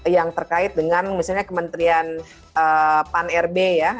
yang terkait dengan misalnya kementerian pan rb ya